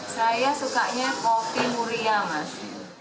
saya sukanya kopi muria mas